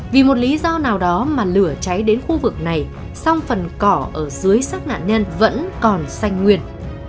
vì một lý do nào đó mà lửa cháy đến khu vực này song phần cỏ ở dưới sắc nạn nhân vẫn còn xanh nguyên